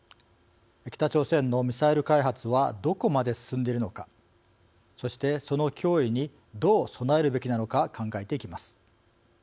北朝鮮のミサイル開発はどこまで進んでいるのかそして、その脅威にどう備えるべきなのか考えていきます。